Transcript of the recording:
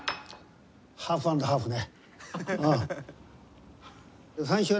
ハーフアンドハーフね。